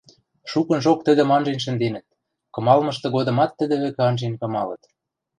Шукынжок тӹдӹм анжен шӹнденӹт, кымалмышты годымат тӹдӹ вӹкӹ анжен кымалыт.